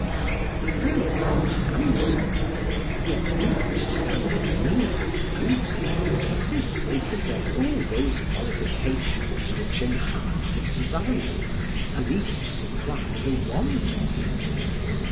The women are handsome, yet do not stand in need of beauty, since they possess all those qualifications which enhance its value and even supply the want of it.